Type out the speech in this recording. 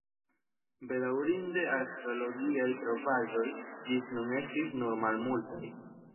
Bedaŭrinde arĥeologiaj trovaĵoj ĝis nun estis nur malmultaj.